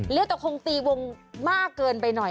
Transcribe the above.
แต่คงตีวงมากเกินไปหน่อย